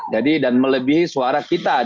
jadi dan melebihi suara kita